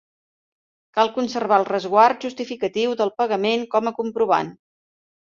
Cal conservar el resguard justificatiu del pagament com a comprovant.